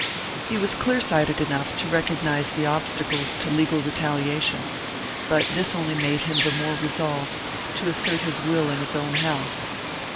He was clear sighted enough to recognize the obstacles to legal retaliation; but this only made him the more resolved to assert his will in his own house.